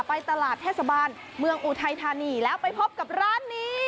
ไปตลาดเทศบาลเมืองอุทัยธานีแล้วไปพบกับร้านนี้